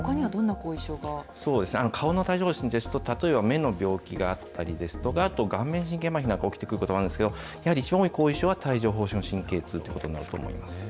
そうですね、顔の帯状ほう疹ですと、例えば、目の病気があったりですとか、あと顔面神経まひなんかが起きてくることもあるんですけど、やはり後遺症は、帯状ほう疹の神経痛ということになると思います。